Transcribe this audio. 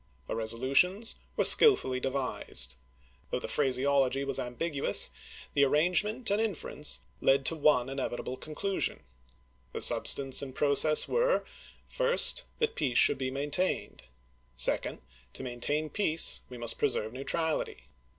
The resolutions were skillfully devised: though the phraseology was ambiguous, the arrangement and inference led to one inevitable conclusion. The substance and process were : First, That peace should be maintained. Second, To maintain peace we must preserve neutrality.